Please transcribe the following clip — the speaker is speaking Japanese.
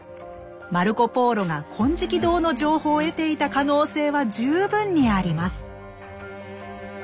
マルコ・ポーロが金色堂の情報を得ていた可能性は十分にあります。